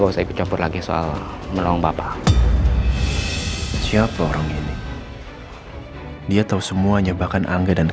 sampai jumpa di video selanjutnya